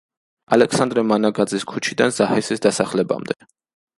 ალექსანდრე მანაგაძის ქუჩიდან ზაჰესის დასახლებამდე.